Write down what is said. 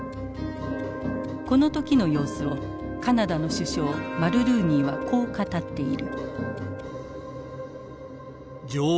この時の様子をカナダの首相マルルーニーはこう語っている。